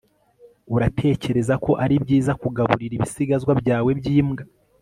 uratekereza ko ari byiza kugaburira ibisigazwa byawe byimbwa